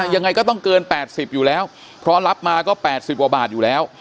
ยังไงก็ต้องเกิน๘๐อยู่แล้วเพราะรับมาก็๘๐กว่าบาทอยู่แล้ว